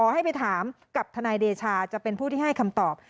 ให้ไปถามกับทนายเดชาจะเป็นผู้ที่ให้คำตอบ